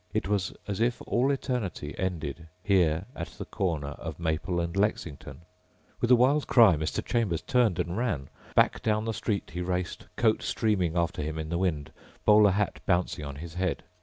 It was as if all eternity ended here at the corner of Maple and Lexington. With a wild cry, Mr. Chambers turned and ran. Back down the street he raced, coat streaming after him in the wind, bowler hat bouncing on his head.